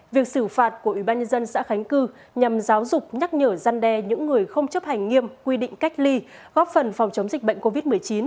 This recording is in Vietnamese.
việc xử phạt của ủy ban nhân dân xã khánh cư nhằm giáo dục nhắc nhở gian đe những người không chấp hành nghiêm quy định cách ly góp phần phòng chống dịch bệnh covid một mươi chín